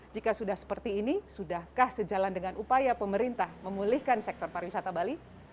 jika sudah seperti ini sudahkah sejalan dengan upaya pemerintah memulihkan sektor pariwisata bali